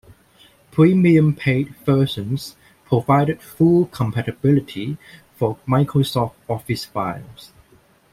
Premium paid versions provided full compatibility for Microsoft Office files.